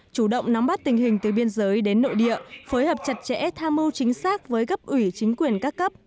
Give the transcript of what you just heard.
chủ động nắm bắt tình hình từ biên giới đến nội địa phối hợp chặt chẽ tham mưu chính xác với cấp ủy chính quyền các cấp